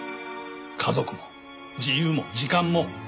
家族も自由も時間も。